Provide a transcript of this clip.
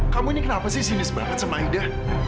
kamu ini kenapa sih sinis banget sama ida